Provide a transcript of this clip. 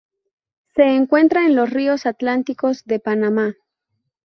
Se encuentra en los ríos atlánticos de Panamá.